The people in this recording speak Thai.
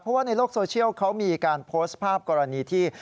เพราะว่าในโลกโซเชียลเขามีการโพสต์ภาพกรณีที่